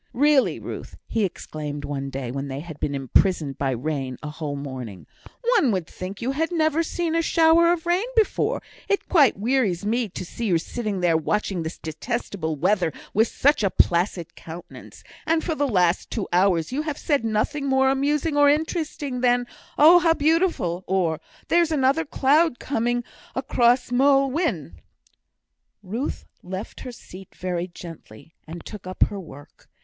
"Really, Ruth," he exclaimed one day, when they had been imprisoned by rain a whole morning, "one would think you had never seen a shower of rain before; it quite wearies me to see you sitting there watching this detestable weather with such a placid countenance; and for the last two hours you have said nothing more amusing or interesting than 'Oh, how beautiful!' or, 'There's another cloud coming across Moel Wynn.'" Ruth left her seat very gently, and took up her work.